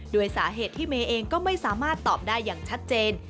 โดยสาเหตุที่เมย์เองก็ไม่สามารถตอบได้อย่างชัดเจน